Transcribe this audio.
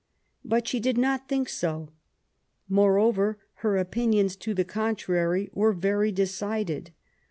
But she did not think so. Moreover, her opinions to the contrary were very de cided.